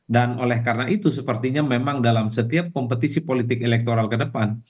dan oleh karena itu sepertinya memang dalam setiap kompetisi politik elektoral ke depan